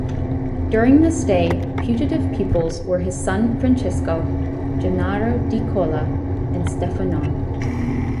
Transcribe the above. During this stay, putative pupils were his son Francesco, Gennaro di Cola, and Stefanone.